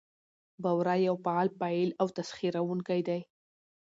بورا يو فعال فاعل او تسخيروونکى دى؛